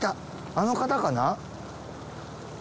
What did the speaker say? あの方かな？